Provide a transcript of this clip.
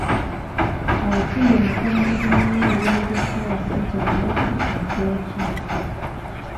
Ate ye mukwanaganya w'emirimu gya Ssaabasajja Kabaka e Kkooki.